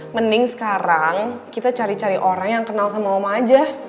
mending sekarang kita cari cari orang yang kenal sama oma aja